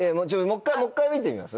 もう１回見てみます？